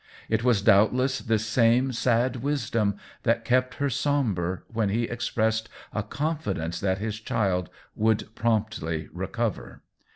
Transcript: It was doubtless this same sad wisdom that kept her sombre when he ex pressed a confidence that his child would promptly recover.